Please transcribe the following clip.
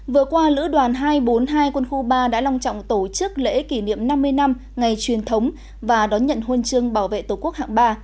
vừa qua lữ đoàn hai trăm bốn mươi hai quân khu ba đã long trọng tổ chức lễ kỷ niệm năm mươi năm ngày truyền thống và đón nhận huân chương bảo vệ tổ quốc hạng ba